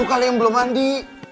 lu kalian belum mandi